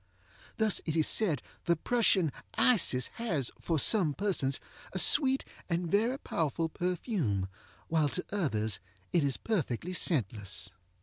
Thus it is said the Prussian Isis has, for some persons, a sweet and very powerful perfume, while to others it is perfectly scentless.